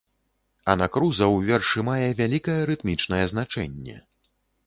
Анакруза ў вершы мае вялікае рытмічнае значэнне.